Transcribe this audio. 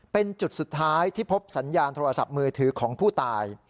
เป็นจุดสุดท้ายที่พบสัญญาณโทรศัพท์มือถือของผู้ตาย